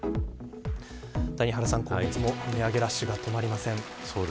谷原さん、今月も値上げラッシュが止まりません。